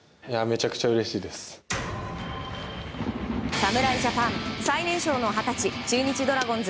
侍ジャパン最年少の二十歳中日ドラゴンズ